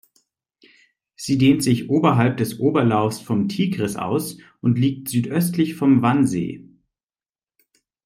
Sie dehnt sich oberhalb des Oberlaufs vom Tigris aus und liegt südöstlich vom Vansee.